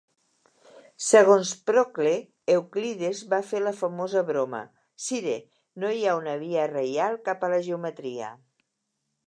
Segons Procle, Euclides va fer la famosa broma: "Sire, no hi ha una via reial cap a la geometria".